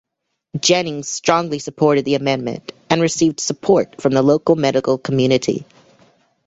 Jennings strongly supported the Amendment and received support from the local medical community.